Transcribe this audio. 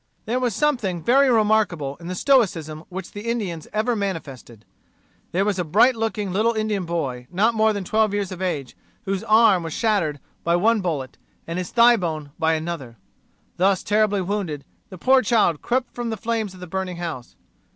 There was something very remarkable in the stoicism which the Indians ever manifested. There was a bright looking little Indian boy, not more than twelve years of age, whose arm was shattered by one bullet and his thigh bone by another. Thus terribly wounded, the poor child crept from the flames of the burning house.